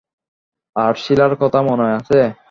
আর শিলার কথা মনে আছে?